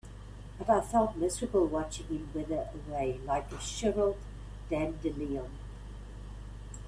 But I felt miserable watching him wither away like a shriveled dandelion.